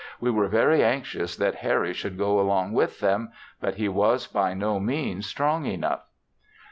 We were very anxious that Harry should go along with them, but he was by no means strong enough.